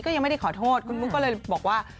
ก็ยังไม่ได้ขอโทษคุณมุกก็เลยบอกว่า